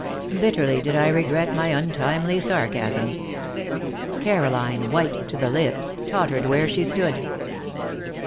Bitterly did I regret my untimely sarcasm. Caroline, white to the lips, tottered where she stood.